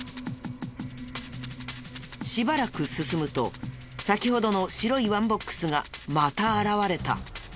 しばらく進むと先ほどの白いワンボックスがまた現れた。